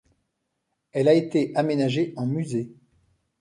Elle a été aménagée en musée.